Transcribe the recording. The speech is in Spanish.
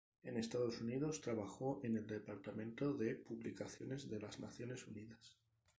En Estados Unidos trabajó en el departamento de publicaciones de las Naciones Unidas.